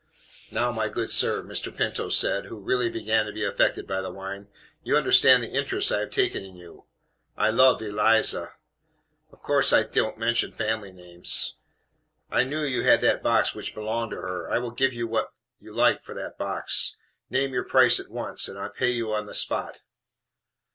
"Now, my good sir," Mr. Pinto said, who really began to be affected by the wine, "you understand the interest I have taken in you. I loved Eliza " (of course I don't mention family names). "I knew you had that box which belonged to her I will give you what you like for that box. Name your price at once, and I pay you on the spot."